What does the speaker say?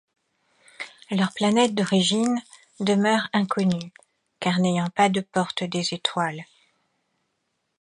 Leur planète d'origine demeure inconnue, car n'ayant pas de porte des étoiles.